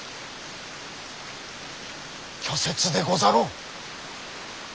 虚説でござろう？